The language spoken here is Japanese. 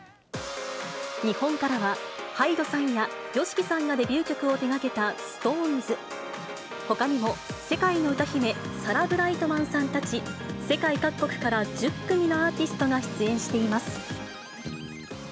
日本からは、ＨＹＤＥさんやＹＯＳＨＩＫＩさんがデビュー曲を手がけたＳｉｘＴＯＮＥＳ、ほかにも世界の歌姫、サラ・ブライトマンさんたち、世界各国から１０組のアーティストが出演しています。